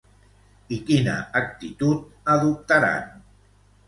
I quina actitud adoptaran?